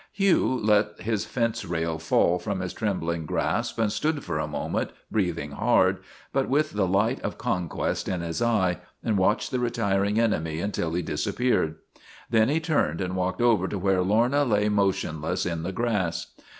Hugh let his fence rail fall from his trembling grasp and stood for a moment, breathing hard, but with the light of conquest in his eye, and watched the retiring enemy until he disappeared. Then he turned and walked over to where Lorna lay motion less in the grass.